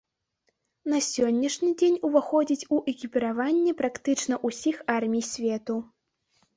На сённяшні дзень уваходзяць у экіпіраванне практычна ўсіх армій свету.